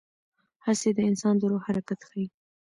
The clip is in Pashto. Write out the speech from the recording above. هڅې د انسان د روح حرکت ښيي.